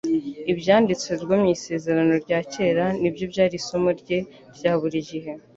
Ibyanditswe byo mu Isezerano rya Kera ni byo byari isomo rye rya buri gihe,